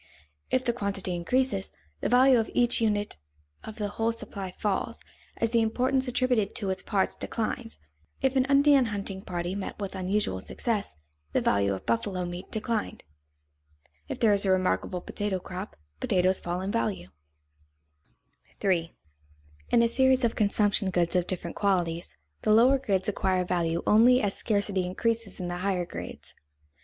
If the quantity increases, the value of each unit of the whole supply falls, as the importance attributed to its parts declines. If an Indian hunting party met with unusual success, the value of buffalo meat declined. If there is a remarkable potato crop, potatoes fall in value. [Sidenote: Relation of different grades of consumption goods] 3. _In a series of consumption goods of different qualities, the lower grades acquire value only as scarcity increases in the higher grades.